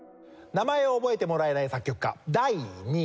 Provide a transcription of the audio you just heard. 名前を覚えてもらえない作曲家第２位。